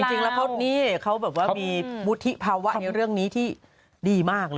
จริงแล้วเขานี่เขาแบบว่ามีวุฒิภาวะในเรื่องนี้ที่ดีมากเลย